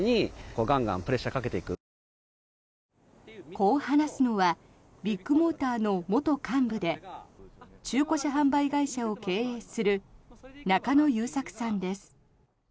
こう話すのはビッグモーターの元幹部で中古車販売会社を経営する中野優作さんです。